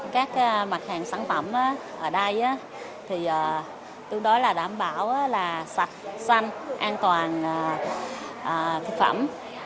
các mặt hàng sản phẩm ở đây tương đối đảm bảo sạch xanh an toàn thực phẩm